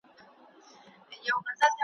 په کلو یې یوه زرکه وه ساتلې ,